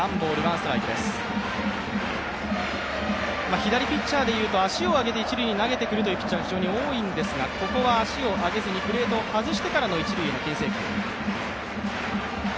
左ピッチャーでいうと足を上げて投げてくるピッチャーが多いんですが、ここは足を上げずにプレートを外してからの一塁への牽制球。